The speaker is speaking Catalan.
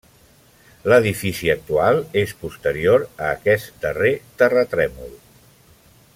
L'edifici actual és posterior a aquest darrer terratrèmol.